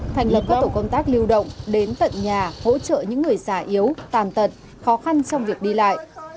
thành lập các tổ công tác lưu động đến tận nhà hỗ trợ những người già yếu tàn tật khó khăn trong việc đi lại